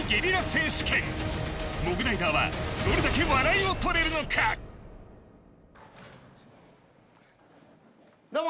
選手権モグライダーはどれだけ笑いを取れるのかどうも！